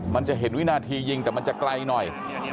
มันจะเห็นวินาทียิงแต่มันจะไกลหน่อย